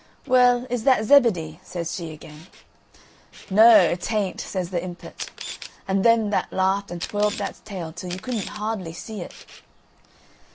"Well, is that Zebedee?" says she again. "Noo, t'ain't," says the impet. And then that laughed and twirled that's tail till you couldn't hardly see it.